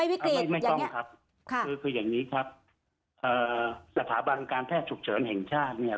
ไม่ไม่ต้องครับคือคืออย่างนี้ครับสถาบันการแพทย์ฉุกเฉินแห่งชาติเนี่ย